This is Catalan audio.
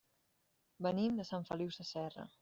Venim de Sant Feliu Sasserra.